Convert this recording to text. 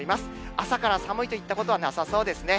朝から寒いといったことはなさそうですね。